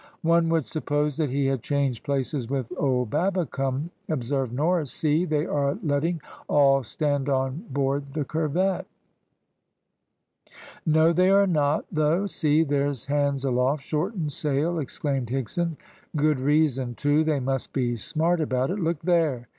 "One would suppose that he had changed places with old Babbicome," observed Norris. "See, they are letting all stand on board the corvette." "No; they are not, though. See! there's hands aloft, shorten sail!" exclaimed Higson. "Good reason, too they must be smart about it. Look there!"